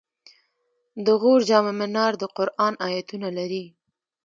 د غور جام منار د قرآن آیتونه لري